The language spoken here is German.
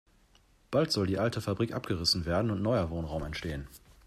Bald soll die alte Fabrik abgerissen werden und neuer Wohnraum entstehen.